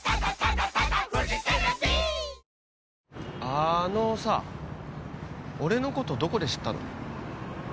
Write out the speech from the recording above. あのさ俺のことどこで知ったの？